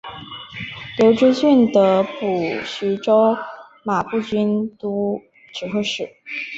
刘知俊得补徐州马步军都指挥使。